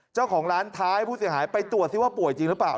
เจ้าของร้านท้ายผู้เสียหายไปตรวจซิว่าป่วยจริงหรือเปล่า